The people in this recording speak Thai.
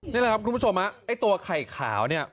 นี่แหละครับคุณผู้ชมไอ้ตัวไข่ขาวเนี่ย